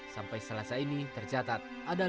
sampai selasa ini tercatat